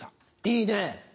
いいねぇ。